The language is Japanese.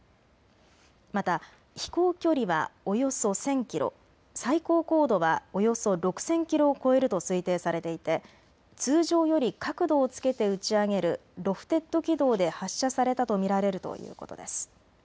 また飛行距離はおよそ１０００キロ、最高高度はおよそ６０００キロを超えると推定されていて通常より角度をつけて打ち上げるロフテッド軌道で発射されたと見られるということです。